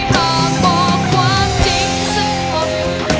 หากบอกความจริงสักครั้ง